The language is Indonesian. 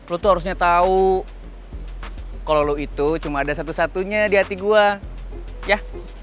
lu tuh harusnya tahu kalau lo itu cuma ada satu satunya di hati gue ya